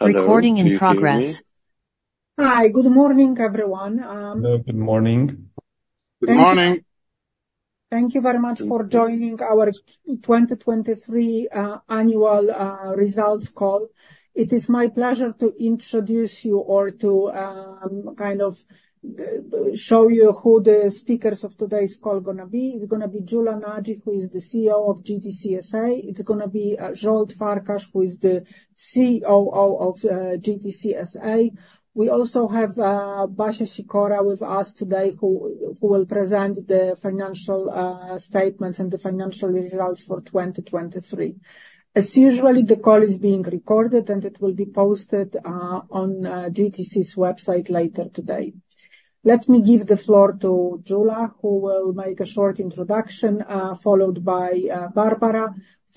Hello. Recording in progress. Hi, good morning, everyone. Hello, good morning. Good morning. Thank you very much for joining our 2023 annual results call. It is my pleasure to introduce you or to kind of show you who the speakers of today's call gonna be. It's gonna be Gyula Nagy, who is the CEO of GTC S.A. It's gonna be Zsolt Farkas, who is the COO of GTC S.A. We also have Barbara Sikora with us today, who will present the financial statements and the financial results for 2023. As usual, the call is being recorded, and it will be posted on GTC's website later today. Let me give the floor to Gyula, who will make a short introduction, followed by Barbara.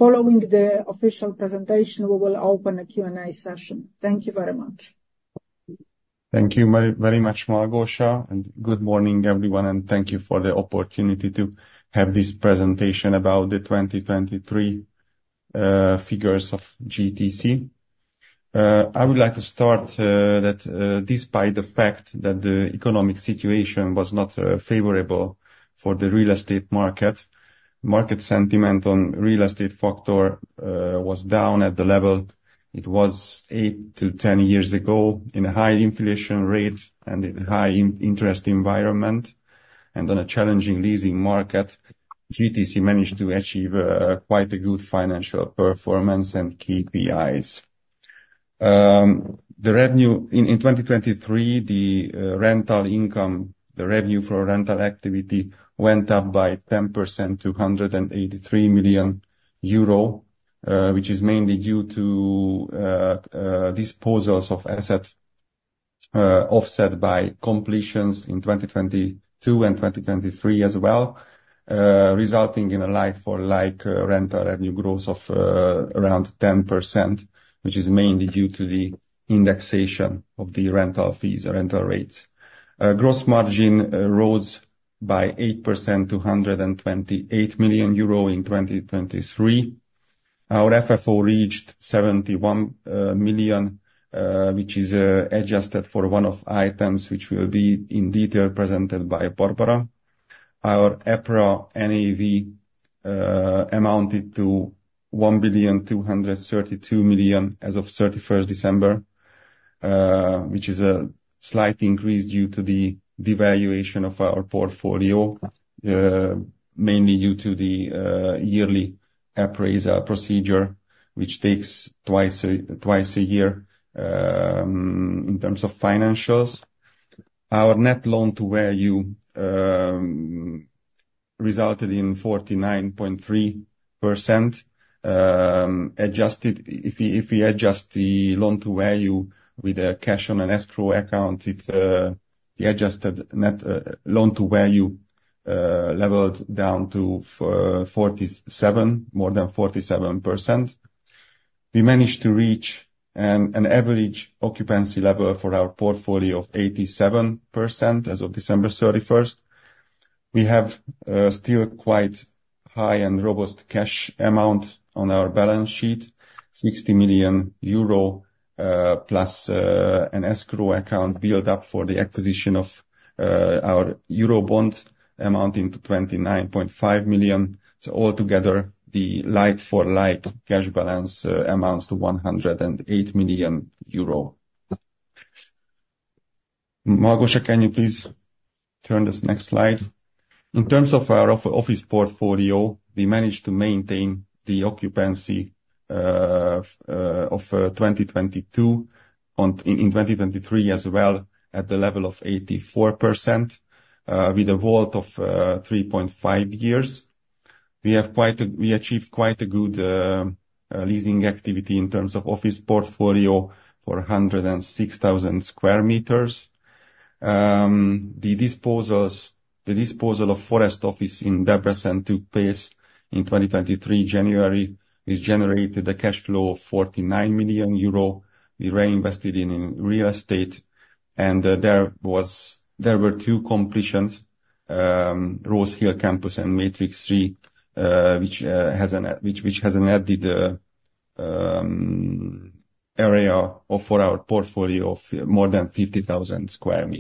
Following the official presentation, we will open a Q&A session. Thank you very much. Thank you very much, Małgorzata. Good morning, everyone, and thank you for the opportunity to have this presentation about the 2023 figures of GTC. I would like to start that, despite the fact that the economic situation was not favorable for the real estate market, market sentiment on real estate sector was down at the level it was 8-10 years ago in a high inflation rate and in a high-interest environment. On a challenging leasing market, GTC managed to achieve quite a good financial performance and KPIs. The revenue in 2023, rental income, the revenue for rental activity, went up by 10% to 183 million euro, which is mainly due to disposals of assets, offset by completions in 2022 and 2023 as well, resulting in a like-for-like rental revenue growth of around 10%, which is mainly due to the indexation of the rental fees, the rental rates. Gross margin rose by 8% to 128 million euro in 2023. Our FFO reached 71 million, which is adjusted for one-off items, which will be in detail presented by Barbara. Our EPRA NAV amounted to 1,232 million as of 31st December, which is a slight increase due to the devaluation of our portfolio, mainly due to the yearly appraisal procedure, which takes twice a year, in terms of financials. Our net loan-to-value resulted in 49.3%, adjusted if we adjust the loan-to-value with a cash on an escrow account, it's the adjusted net loan-to-value leveled down to 47%, more than 47%. We managed to reach an average occupancy level for our portfolio of 87% as of December 31st. We have still quite high and robust cash amount on our balance sheet, 60 million euro, plus an escrow account buildup for the acquisition of our eurobond amounting to 29.5 million. So altogether, the like-for-like cash balance amounts to 108 million euro. Małgorzata, can you please turn to the next slide? In terms of our office portfolio, we managed to maintain the occupancy of 2022 on in 2023 as well at the level of 84%, with a vault of 3.5 years. We achieved quite a good leasing activity in terms of office portfolio for 106,000 sq m. The disposal of Forest Offices in Debrecen took place in January 2023. This generated a cash flow of 49 million euro. We reinvested in real estate. There were two completions, Rose Hill Business Campus and Matrix C, which has an added area for our portfolio of more than 50,000 sq m.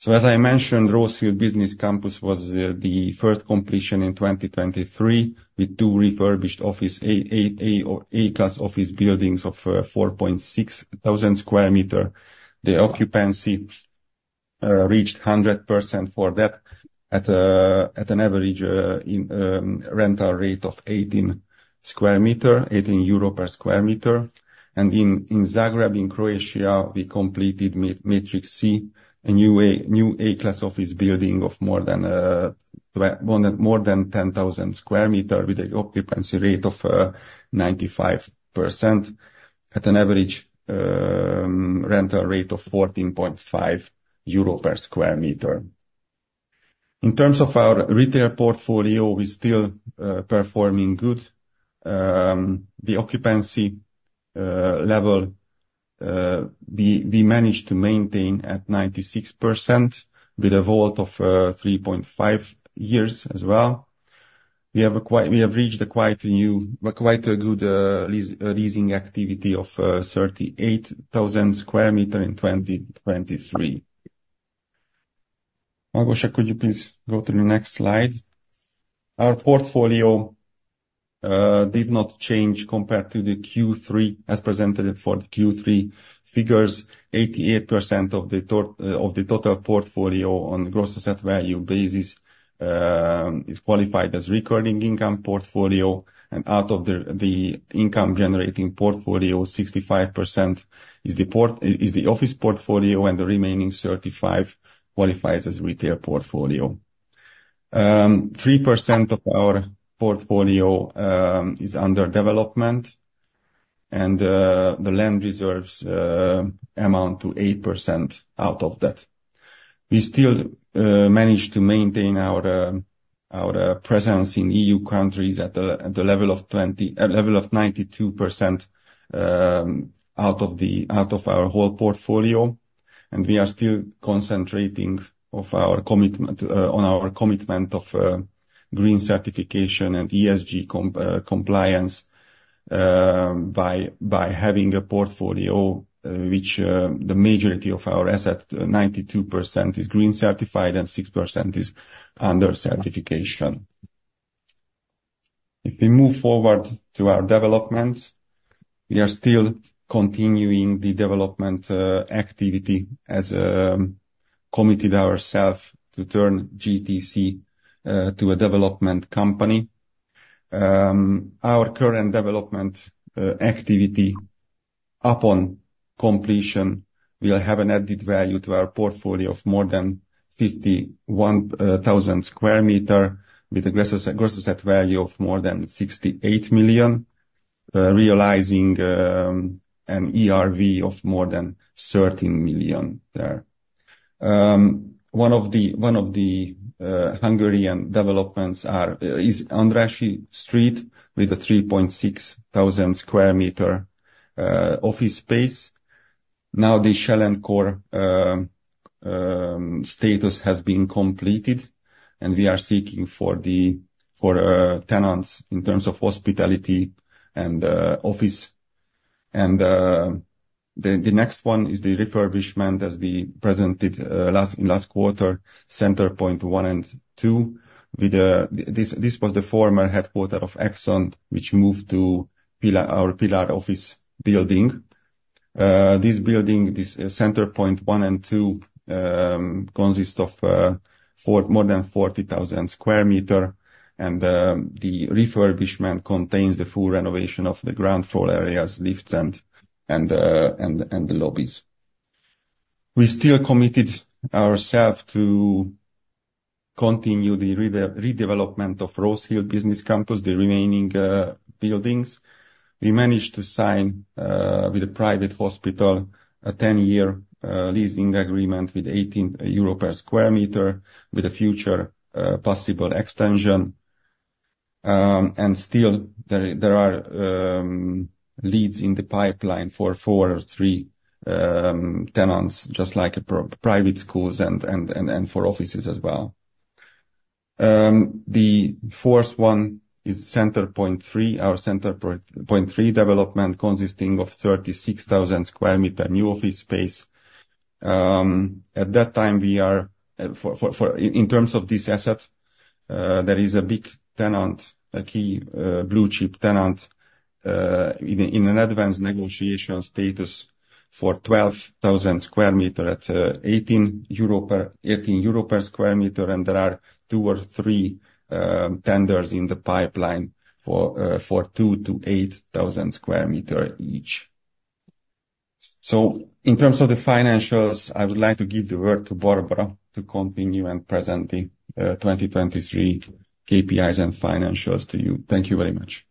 So as I mentioned, Rose Hill Business Campus was the first completion in 2023 with two refurbished A-class office buildings of 46,000 sq m. The occupancy reached 100% for that at an average rental rate of 18 per square meter. In Zagreb, in Croatia, we completed Matrix C, a new A-class office building of more than 10,000 sq m with an occupancy rate of 95% at an average rental rate of 14.5 euro per square meter. In terms of our retail portfolio, we're still performing good. The occupancy level we managed to maintain at 96% with a WALT of 3.5 years as well. We have reached a quite good leasing activity of 38,000 sq m 2023. Małgorzata, could you please go to the next slide? Our portfolio did not change compared to the Q3 as presented for the Q3 figures. 88% of the total portfolio on gross asset value basis is qualified as recording income portfolio. Out of the income-generating portfolio, 65% is the office portfolio, and the remaining 35% qualifies as retail portfolio. 3% of our portfolio is under development, and the land reserves amount to 8% of that. We still managed to maintain our presence in EU countries at the level of 92%, out of our whole portfolio. And we are still concentrating on our commitment to green certification and ESG compliance, by having a portfolio, the majority of our assets, 92% is green certified and 6% is under certification. If we move forward to our development, we are still continuing the development activity as committed ourselves to turn GTC to a development company. Our current development activity upon completion, we'll have an added value to our portfolio of more than 51,000 sq m with a gross asset value of more than 68 million, realizing an ERV of more than 13 million there. One of the Hungarian developments is Andrássy Street with a 3,600 square meter office space. Now, the Shell and Core status has been completed, and we are seeking for the tenants in terms of hospitality and office. And the next one is the refurbishment as we presented last quarter. Centerpoint 1 and 2—this was the former headquarters of Exxon, which moved to Pillar, our Pillar office building. This building, Centerpoint 1 and 2, consists of more than 40,000 sq m, and the refurbishment contains the full renovation of the ground floor areas, lifts, and the lobbies. We still committed ourselves to continue the redevelopment of Rose Hill Business Campus, the remaining buildings. We managed to sign with a private hospital a 10-year leasing agreement with 18 euro per sq m with a future possible extension. And still, there are leads in the pipeline for four or three tenants, just like a pro private schools and for offices as well. The fourth one is Centerpoint 3, our Centerpoint 3 development consisting of 36,000 sq m new office space. At that time, we are in terms of this asset, there is a big tenant, a key blue chip tenant, in an advanced negotiation status for 12,000 sq m at EUR 18 per sq m. And there are two or three tenders in the pipeline for 2,000-8,000 sq m each. So in terms of the financials, I would like to give the word to Barbara to continue and present the 2023 KPIs and financials to you. Thank you very much.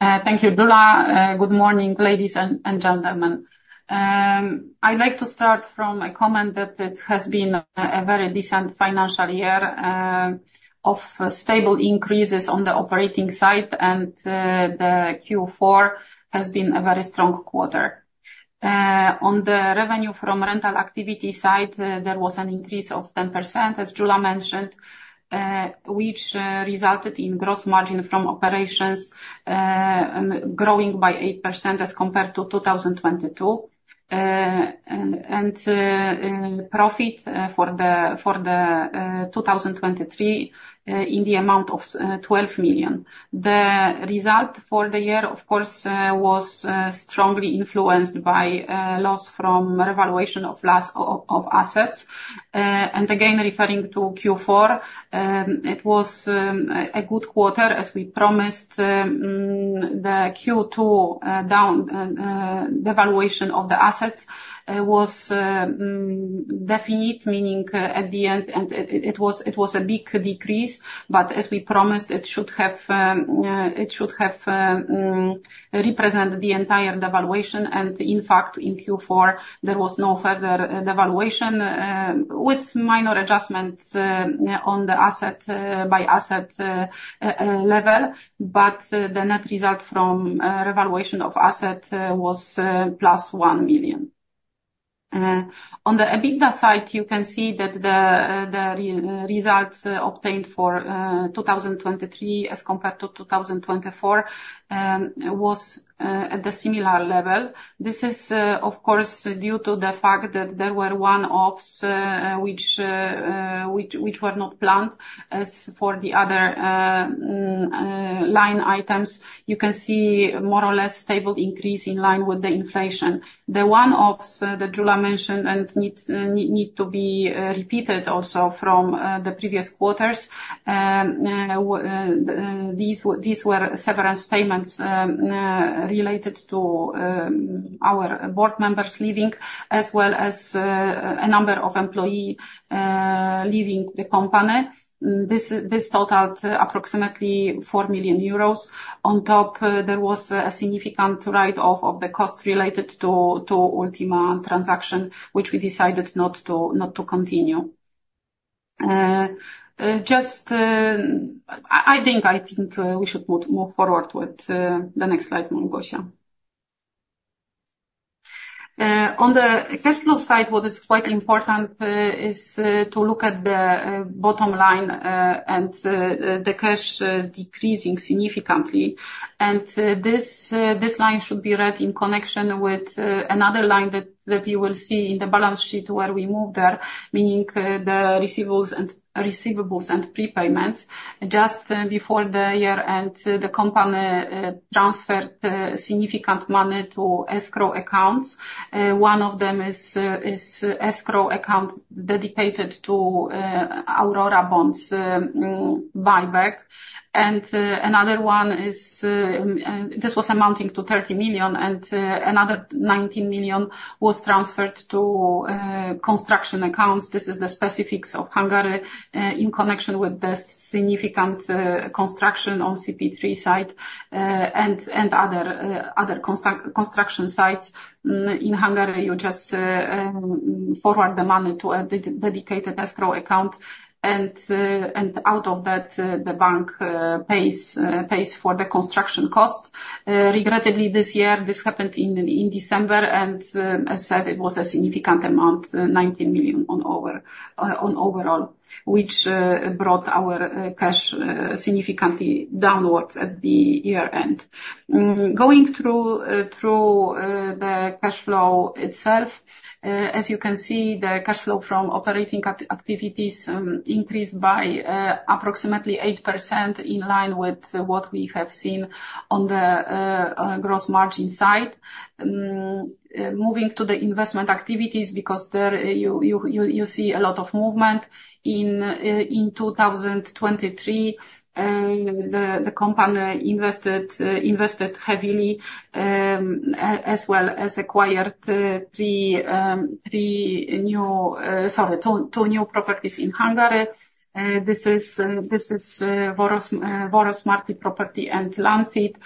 Thank you, Gyula. Good morning, ladies and gentlemen. I'd like to start from a comment that it has been a very decent financial year, of stable increases on the operating side, and the Q4 has been a very strong quarter. On the revenue from rental activity side, there was an increase of 10%, as Gyula mentioned, which resulted in gross margin from operations growing by 8% as compared to 2022. And profit for the 2023, in the amount of 12 million. The result for the year, of course, was strongly influenced by loss from revaluation of last of assets. And again, referring to Q4, it was a good quarter as we promised. The Q2 down devaluation of the assets was definite, meaning at the end, and it was a big decrease. But as we promised, it should have represented the entire devaluation. And in fact, in Q4, there was no further devaluation, with minor adjustments, on the asset, by asset, level. But the net result from revaluation of asset was +1 million. On the EBITDA side, you can see that the results obtained for 2023 as compared to 2024 was at the similar level. This is, of course, due to the fact that there were one-offs, which were not planned. As for the other line items, you can see more or less stable increase in line with the inflation. The one-offs that Gyula mentioned and need to be repeated also from the previous quarters, these were severance payments, related to our board members leaving as well as a number of employees leaving the company. This totaled approximately 4 million euros. On top, there was a significant write-off of the cost related to Optima transaction, which we decided not to continue. Just, I think we should move forward with the next slide, Małgorzata. On the cash flow side, what is quite important is to look at the bottom line and the cash decreasing significantly. This line should be read in connection with another line that you will see in the balance sheet where we moved there, meaning the receivables and receivables and prepayments. Just before the year-end, the company transferred significant money to escrow accounts. One of them is escrow account dedicated to Aurora Bonds buyback. And another one is, this was amounting to 30 million, and another 19 million was transferred to construction accounts. This is the specifics of Hungary, in connection with the significant construction on CP3 side, and other construction sites in Hungary. You just forward the money to a dedicated escrow account. And out of that, the bank pays for the construction cost. Regrettably, this year, this happened in December, and, as said, it was a significant amount, 19 million overall, which brought our cash significantly downwards at the year-end. Going through the cash flow itself, as you can see, the cash flow from operating activities increased by approximately 8% in line with what we have seen on the gross margin side. Moving to the investment activities because there you see a lot of movement. In 2023, the company invested heavily, as well as acquired two new properties in Hungary. This is Vörösmarty Property and Lánchíd.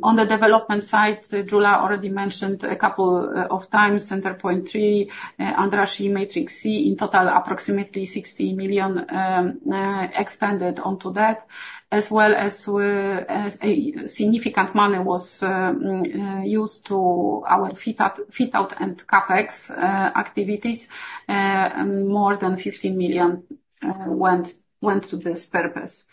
On the development side, Gyula already mentioned a couple of times Centerpoint 3, Andrássy, Matrix C, in total approximately 60 million expended on that, as well as a significant money was used to our FitOut and CapEx activities. More than 15 million went to this purpose.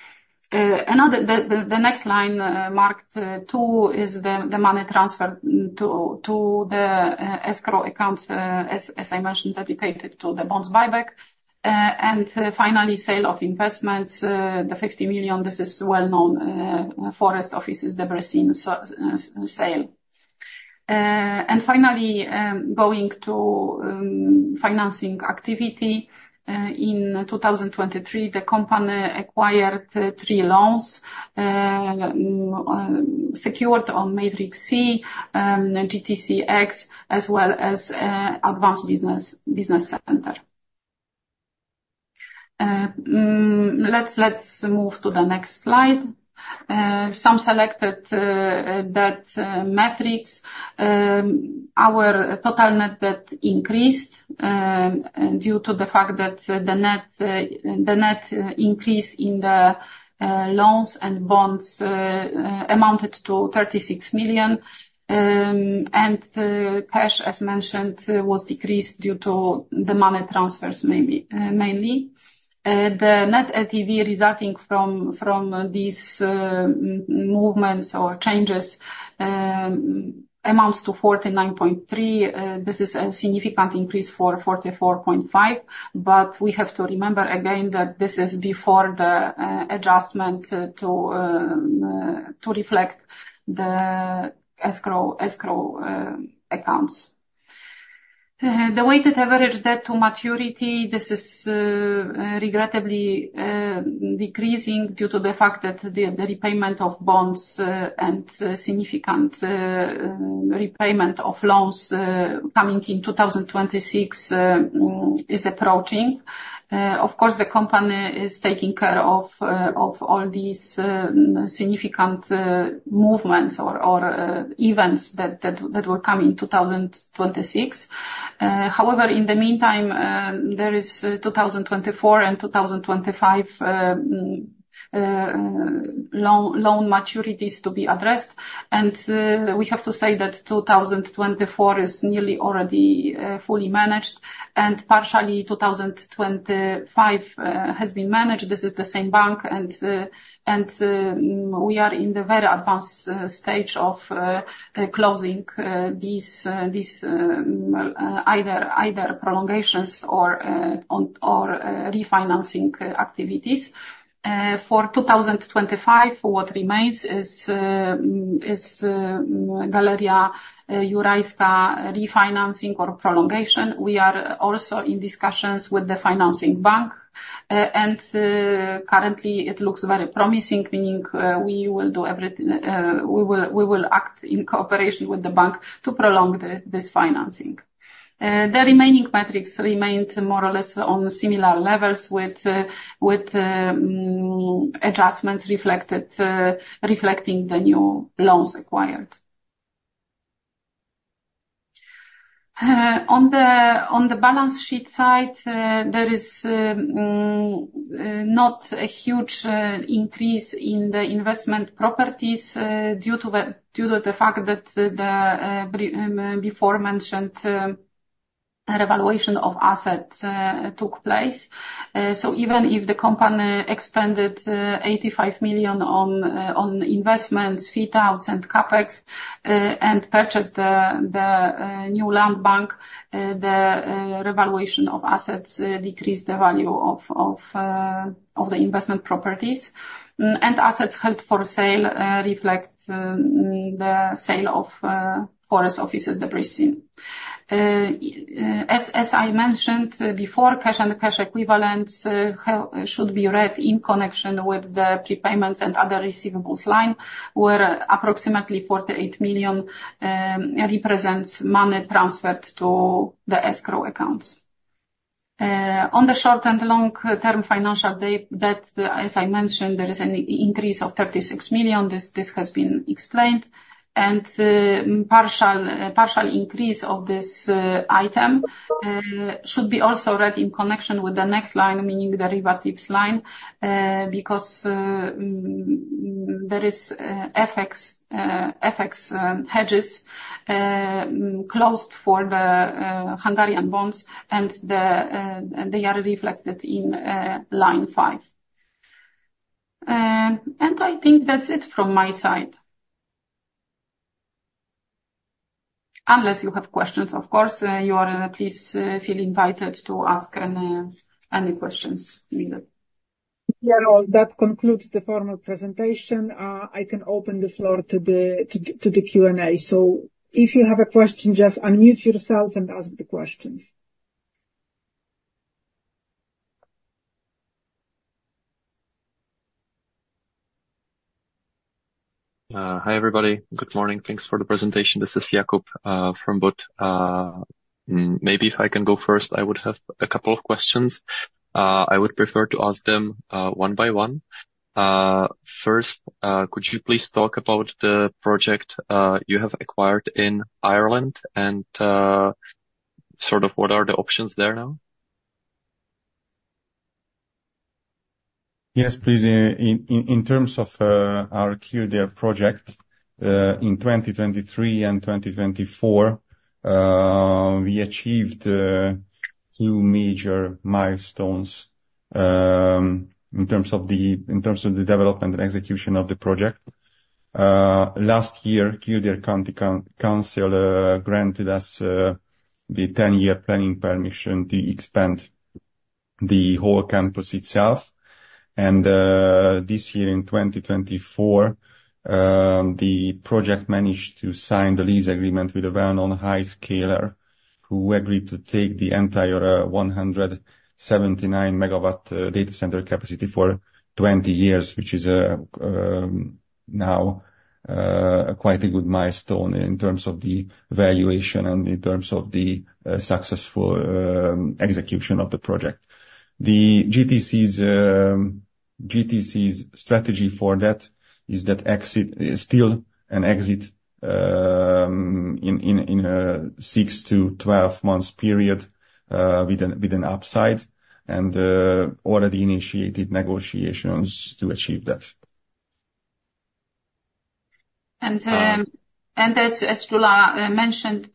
Another, the next line, marked two, is the money transferred to the escrow accounts, as I mentioned, dedicated to the bonds buyback. And finally, sale of investments, the 50 million, this is well-known, Forest Offices Debrecen sale. And finally, going to financing activity, in 2023, the company acquired three loans, secured on Matrix C, GTC X, as well as Advance Business Centre. Let's move to the next slide. Some selected debt metrics. Our total net debt increased, due to the fact that the net increase in the loans and bonds amounted to 36 million. Cash, as mentioned, was decreased due to the money transfers, maybe mainly. The net LTV resulting from these movements or changes amounts to 49.3%. This is a significant increase from 44.5%. But we have to remember again that this is before the adjustment to reflect the escrow accounts. The weighted average debt to maturity, this is regrettably decreasing due to the fact that the repayment of bonds and significant repayment of loans coming in 2026 is approaching. Of course, the company is taking care of all these significant movements or events that will come in 2026. However, in the meantime, there is 2024 and 2025 loan maturities to be addressed. We have to say that 2024 is nearly already fully managed, and partially 2025 has been managed. This is the same bank. We are in the very advanced stage of closing these either prolongations or refinancing activities. For 2025, what remains is Galeria Jurajska refinancing or prolongation. We are also in discussions with the financing bank. Currently, it looks very promising, meaning we will do everything we will act in cooperation with the bank to prolong this financing. The remaining metrics remained more or less on similar levels with adjustments reflecting the new loans acquired. On the balance sheet side, there is not a huge increase in the investment properties, due to the fact that the before-mentioned revaluation of assets took place. Even if the company expended 85 million on investments, FitOuts and CapEx, and purchased the new land bank, the revaluation of assets decreased the value of the investment properties and assets held for sale, reflecting the sale of Forest Offices Debrecen. As I mentioned before, cash and cash equivalents should be read in connection with the prepayments and other receivables line, where approximately 48 million represents money transferred to the escrow accounts. On the short- and long-term financial debt, as I mentioned, there is an increase of 36 million. This has been explained. Partial increase of this item should be also read in connection with the next line, meaning the derivatives line, because there is FX hedges closed for the Hungarian bonds, and they are reflected in line five. And I think that's it from my side. Unless you have questions, of course, please feel invited to ask any questions needed. Gerald, that concludes the formal presentation. I can open the floor to the Q&A. So if you have a question, just unmute yourself and ask the questions. Hi, everybody. Good morning. Thanks for the presentation. This is Jakub from WOOD. Maybe if I can go first, I would have a couple of questions. I would prefer to ask them one by one. First, could you please talk about the project you have acquired in Ireland and sort of what are the options there now? Yes, please. In terms of our Kildare project, in 2023 and 2024, we achieved two major milestones in terms of the development and execution of the project. Last year, Kildare Council granted us the 10-year planning permission to expand the whole campus itself. This year, in 2024, the project managed to sign the lease agreement with a well-known high scaler who agreed to take the entire 179 MW data center capacity for 20 years, which is now quite a good milestone in terms of the valuation and in terms of the successful execution of the project. The GTC's strategy for that is that exit is still an exit in a 6-12-month period with an upside and already initiated negotiations to achieve that. As Gyula mentioned,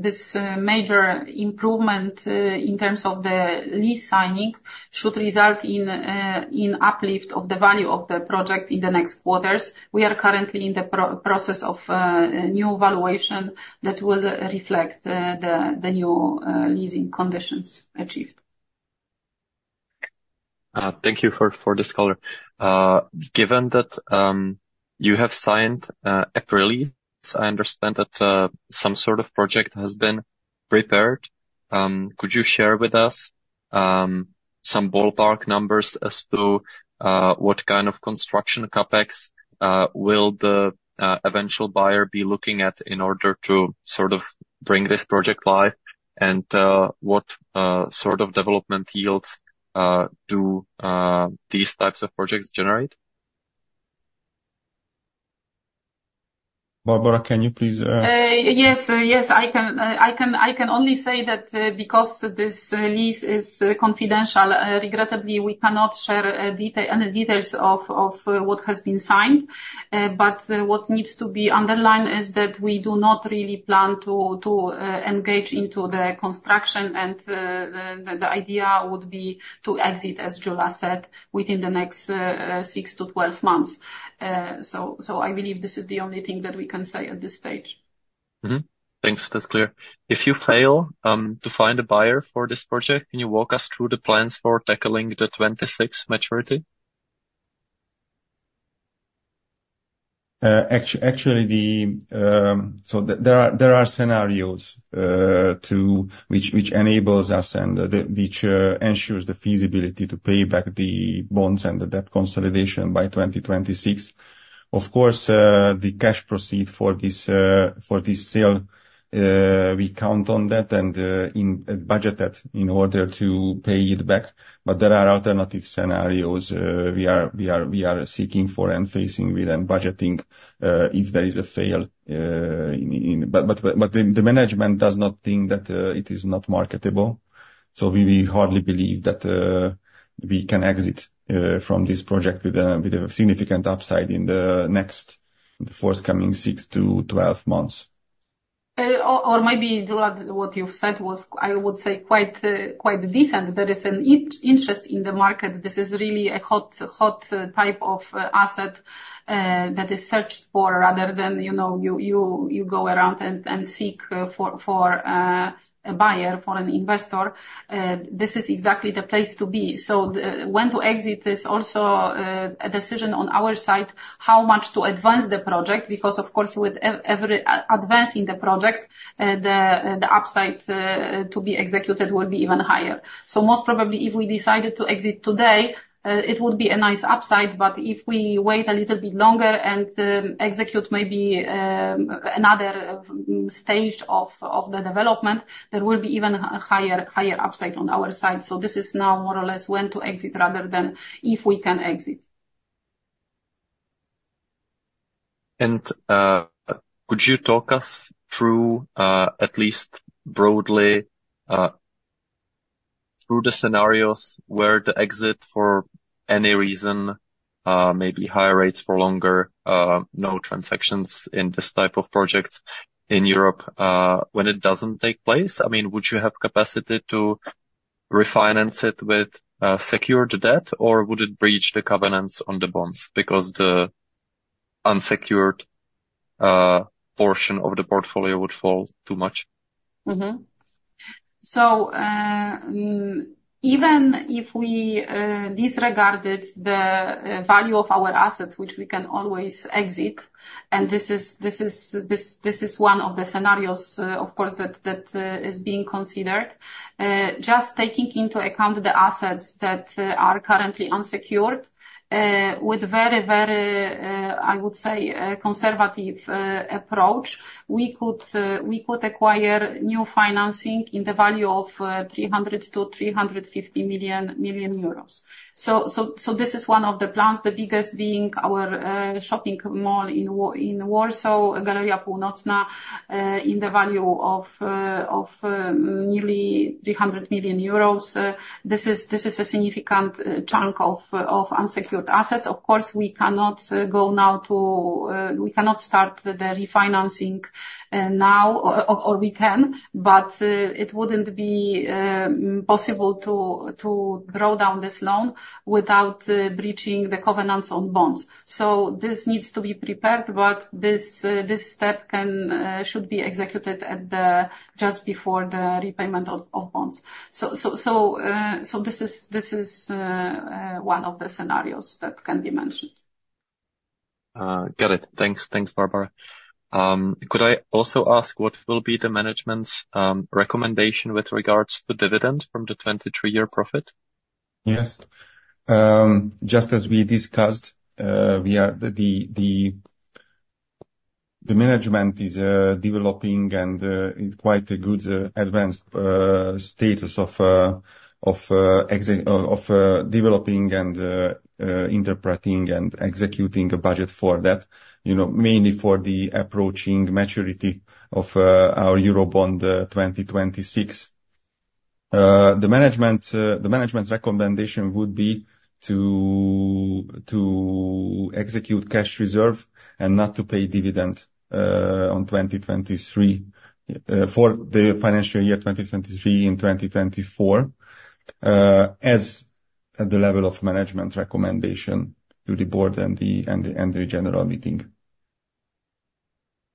this major improvement in terms of the lease signing should result in an uplift of the value of the project in the next quarters. We are currently in the process of a new evaluation that will reflect the new leasing conditions achieved. Thank you for this color. Given that you have signed April lease, I understand that some sort of project has been prepared. Could you share with us some ballpark numbers as to what kind of construction CapEx will the eventual buyer be looking at in order to sort of bring this project live and what sort of development yields do these types of projects generate? Barbara, can you please? Yes, yes, I can. I can only say that because this lease is confidential, regrettably, we cannot share any details of what has been signed. But what needs to be underlined is that we do not really plan to engage into the construction. And the idea would be to exit, as Gyula said, within the next 6-12 months. So I believe this is the only thing that we can say at this stage. Thanks. That's clear. If you fail to find a buyer for this project, can you walk us through the plans for tackling the 2026 maturity? Actually, so there are scenarios that enable us and which ensure the feasibility to pay back the bonds and the debt consolidation by 2026. Of course, the cash proceeds for this sale, we count on that and budget that in order to pay it back. But there are alternative scenarios we are seeking for and facing with and budgeting if there is a failure. But the management does not think that it is not marketable. So we hardly believe that we can exit from this project with a significant upside in the next forthcoming 6-12 months. Or maybe, Gyula, what you've said was, I would say, quite decent. There is an interest in the market. This is really a hot, hot type of asset that is searched for rather than, you know, you go around and seek for a buyer, for an investor. This is exactly the place to be. So when to exit is also a decision on our side, how much to advance the project. Because, of course, with every advance in the project, the upside to be executed will be even higher. So most probably, if we decided to exit today, it would be a nice upside. But if we wait a little bit longer and execute maybe another stage of the development, there will be even higher upside on our side. So this is now more or less when to exit rather than if we can exit. Could you talk us through, at least broadly, through the scenarios where the exit for any reason, maybe higher rates for longer, no transactions in this type of projects in Europe, when it doesn't take place? I mean, would you have capacity to refinance it with secured debt, or would it breach the covenants on the bonds because the unsecured portion of the portfolio would fall too much? So even if we disregarded the value of our assets, which we can always exit - and this is one of the scenarios, of course, that is being considered - just taking into account the assets that are currently unsecured with a very, very, I would say, conservative approach, we could acquire new financing in the value of 300 million-350 million. So this is one of the plans, the biggest being our shopping mall in Warsaw, Galeria Północna, in the value of nearly 300 million euros. This is a significant chunk of unsecured assets. Of course, we cannot start the refinancing now, or we can, but it wouldn't be possible to draw down this loan without breaching the covenants on bonds. So this needs to be prepared. But this step should be executed just before the repayment of bonds. This is one of the scenarios that can be mentioned. Got it. Thanks. Thanks, Barbara. Could I also ask what will be the management's recommendation with regards to dividend from the 2023-year profit? Yes. Just as we discussed, the management is developing, and it's quite a good advanced status of developing and interpreting and executing a budget for that, mainly for the approaching maturity of our Eurobond 2026. The management recommendation would be to execute cash reserve and not to pay dividend on 2023 for the financial year 2023 in 2024 as at the level of management recommendation to the board and the general meeting.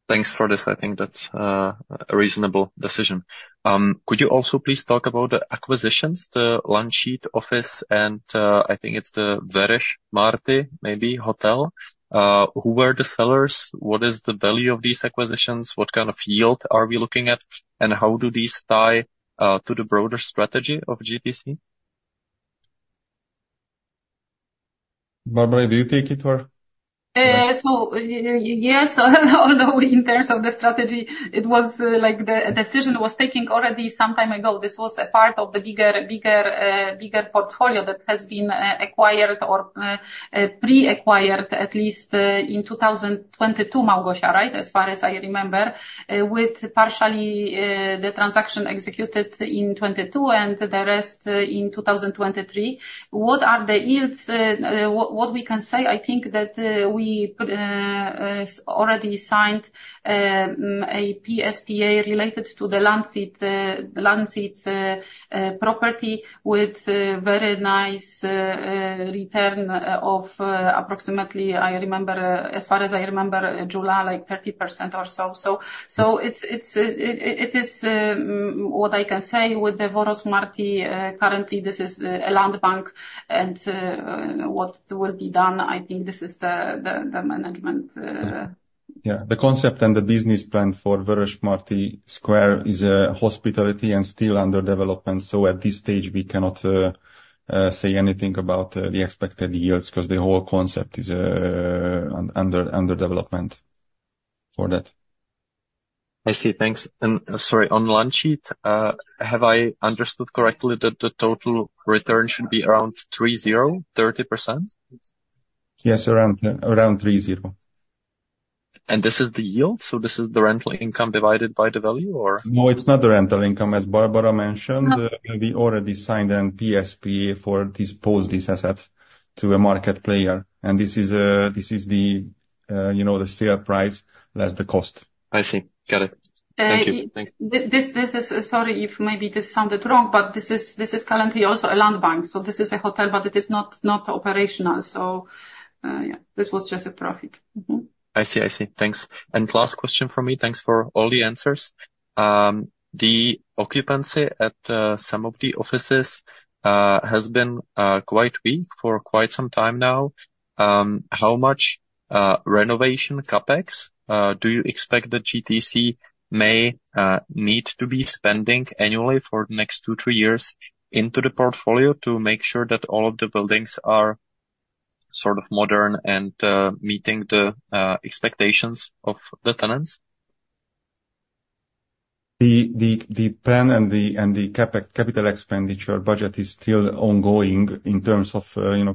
Thanks for this. I think that's a reasonable decision. Could you also please talk about the acquisitions, the Lánchíd office, and I think it's the Vörösmarty maybe hotel? Who were the sellers? What is the value of these acquisitions? What kind of yield are we looking at? And how do these tie to the broader strategy of GTC? Barbara, do you take it, or? Yes. Although in terms of the strategy, it was like the decision was taken already some time ago. This was a part of the bigger portfolio that has been acquired or pre-acquired, at least in 2022, Małgosia, right, as far as I remember, with partially the transaction executed in 2022 and the rest in 2023. What are the yields? What we can say, I think that we already signed a PSPA related to the Lánchíd property with a very nice return of approximately, I remember, as far as I remember, Gyula, like 30% or so. So it is what I can say with the Vörösmarty. Currently, this is a land bank. And what will be done, I think this is the management. Yeah. The concept and the business plan for Vörösmarty Square is hospitality and still under development. So at this stage, we cannot say anything about the expected yields because the whole concept is under development for that. I see. Thanks. And sorry, on Lánchíd, have I understood correctly that the total return should be around 30%? Yes, around 30. This is the yield? So this is the rental income divided by the value, or? No, it's not the rental income. As Barbara mentioned, we already signed an PSPA for this asset to a market player. This is the sale price less the cost. I see. Got it. Thank you. This is, sorry if maybe this sounded wrong, but this is currently also a land bank. This is a hotel, but it is not operational. Yeah, this was just a profit. I see. I see. Thanks. Last question from me. Thanks for all the answers. The occupancy at some of the offices has been quite weak for quite some time now. How much renovation CapEx do you expect that GTC may need to be spending annually for the next two to three years into the portfolio to make sure that all of the buildings are sort of modern and meeting the expectations of the tenants? The plan and the capital expenditure budget is still ongoing in terms of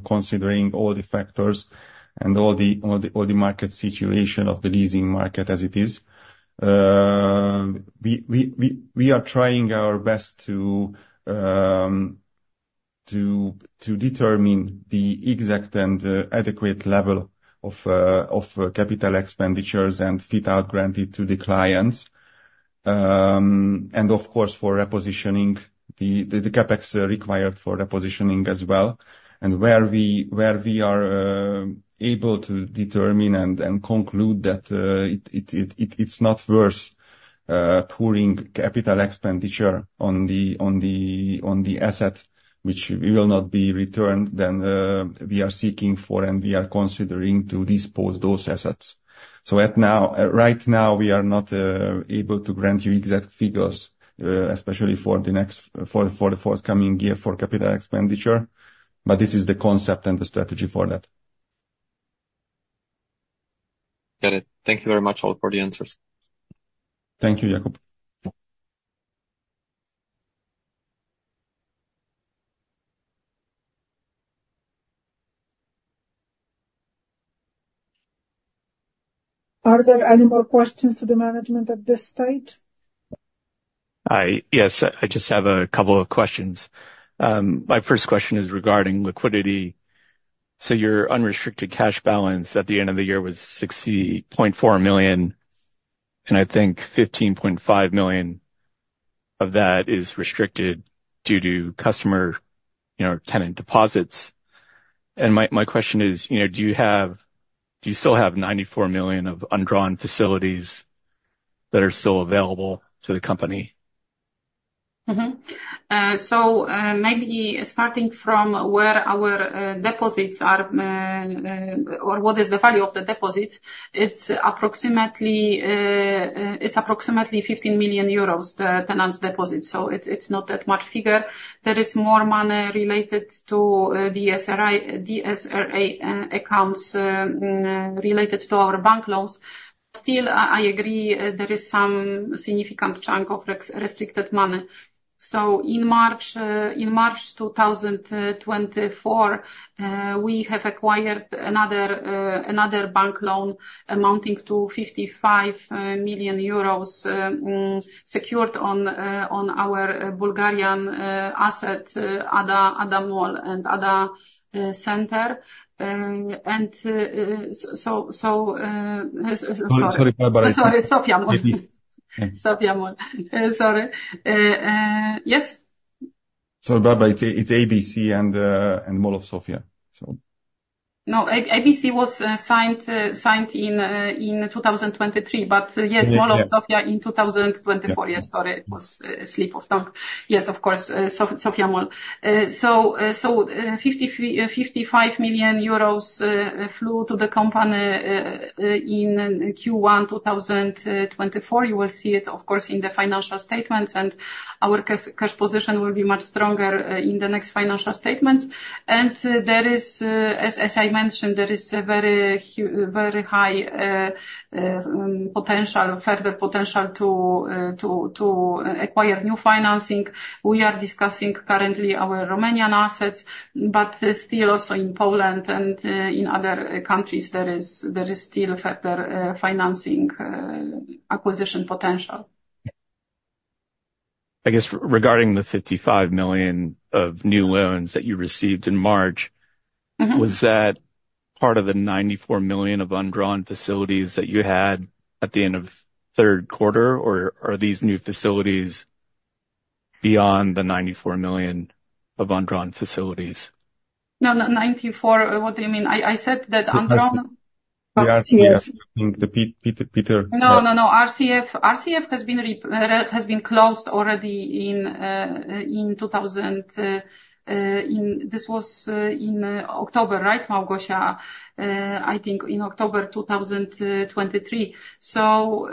considering all the factors and all the market situation of the leasing market as it is. We are trying our best to determine the exact and adequate level of capital expenditures and fit-out granted to the clients and, of course, for repositioning, the CapEx required for repositioning as well. And where we are able to determine and conclude that it's not worth pouring capital expenditure on the asset, which will not be returned, then we are seeking for and we are considering to dispose of those assets. So right now, we are not able to grant you exact figures, especially for the forthcoming year for capital expenditure. But this is the concept and the strategy for that. Got it. Thank you very much, all for the answers. Thank you, Jakub. Are there any more questions to the management at this stage? Yes. I just have a couple of questions. My first question is regarding liquidity. So your unrestricted cash balance at the end of the year was 60.4 million. And I think 15.5 million of that is restricted due to customer tenant deposits. And my question is, do you still have 94 million of undrawn facilities that are still available to the company? So maybe starting from where our deposits are or what is the value of the deposits, it's approximately 15 million euros, the tenants' deposits. So it's not that much figure. There is more money related to DSRA accounts related to our bank loans. Still, I agree there is some significant chunk of restricted money. So in March 2024, we have acquired another bank loan amounting to 55 million euros secured on our Bulgarian asset, Ada Mall and Ada Center. And so sorry. Sorry, Barbara. Sorry, Sofia. Please. of Sofia. Sorry. Yes? Sorry, Barbara. It's ABC and Mall of Sofia, so. No, ABC was signed in 2023. But yes, Mall of Sofia in 2024. Yes, sorry. It was a slip of the tongue. Yes, of course, Sofia Mall. So 55 million flew to the company in Q1 2024. You will see it, of course, in the financial statements. As I mentioned, there is a very high potential, further potential to acquire new financing. We are discussing currently our Romanian assets. But still, also in Poland and in other countries, there is still further financing acquisition potential. I guess regarding the 55 million of new loans that you received in March, was that part of the 94 million of undrawn facilities that you had at the end of third quarter? Or are these new facilities beyond the 94 million of undrawn facilities? No, 94, what do you mean? I said that undrawn? RCF. I think the Peter. No, no, no. RCF has been closed already in 2023, this was in October, right, Małgosia? I think in October 2023. So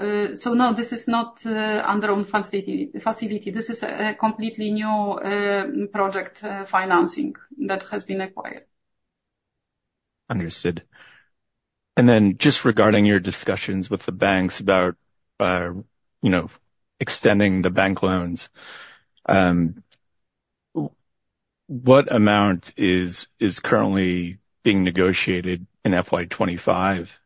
no, this is not undrawn facility. This is a completely new project financing that has been acquired. Understood. And then just regarding your discussions with the banks about extending the bank loans, what amount is currently being negotiated in FY 2025?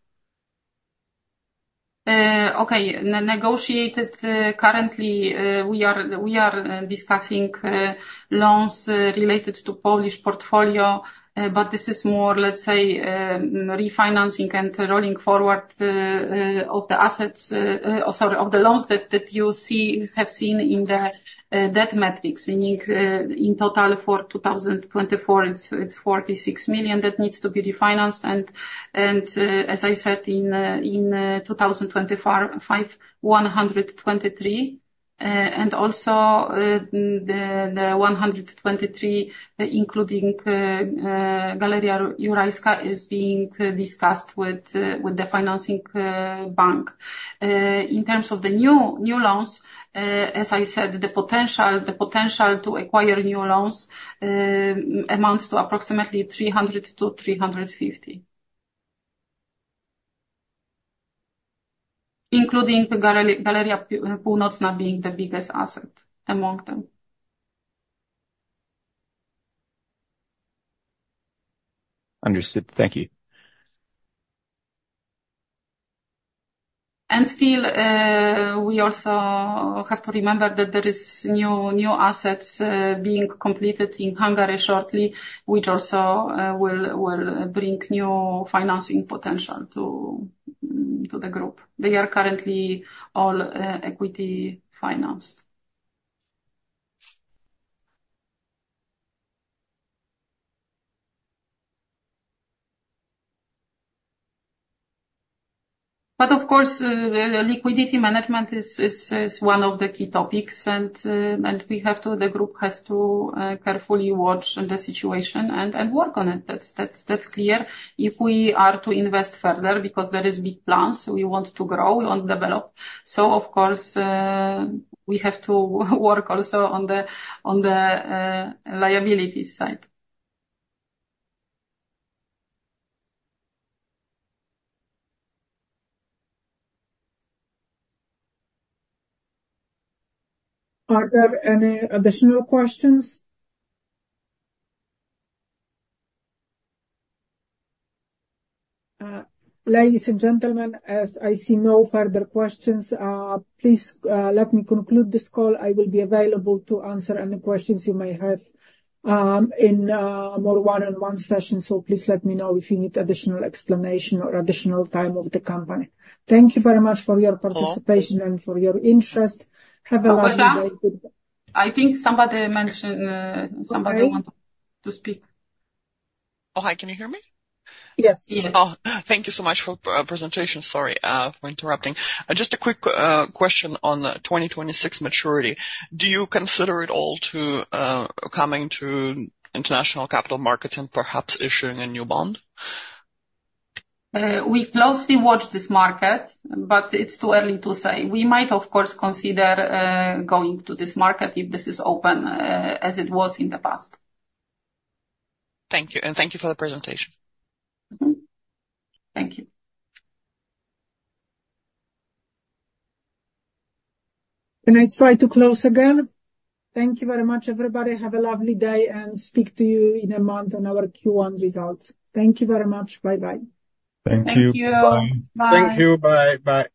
Okay. Negotiated currently, we are discussing loans related to Polish portfolio. But this is more, let's say, refinancing and rolling forward of the assets sorry, of the loans that you have seen in the debt metrics, meaning in total for 2024, it's 46 million that needs to be refinanced. And as I said, in 2025, 123 million. And also the 123 million, including Galeria Jurajska, is being discussed with the financing bank. In terms of the new loans, as I said, the potential to acquire new loans amounts to approximately 300 million-350 million, including Galeria Północna being the biggest asset among them. Understood. Thank you. And still, we also have to remember that there are new assets being completed in Hungary shortly, which also will bring new financing potential to the group. They are currently all equity-financed. But of course, liquidity management is one of the key topics. And the group has to carefully watch the situation and work on it. That's clear. If we are to invest further because there are big plans, we want to grow, we want to develop. So of course, we have to work also on the liabilities side. Are there any additional questions? Ladies and gentlemen, as I see no further questions, please let me conclude this call. I will be available to answer any questions you may have in more one-on-one sessions. Please let me know if you need additional explanation or additional time of the company. Thank you very much for your participation and for your interest. Have a lovely day. Małgorzata, I think somebody wanted to speak. Oh, hi. Can you hear me? Yes. Oh, thank you so much for the presentation. Sorry for interrupting. Just a quick question on 2026 maturity. Do you consider it all to coming to international capital markets and perhaps issuing a new bond? We closely watch this market, but it's too early to say. We might, of course, consider going to this market if this is open as it was in the past. Thank you. Thank you for the presentation. Thank you. Can I try to close again? Thank you very much, everybody. Have a lovely day and speak to you in a month on our Q1 results. Thank you very much. Bye-bye. Thank you. Thank you. Bye. Bye. Thank you. Bye. Bye.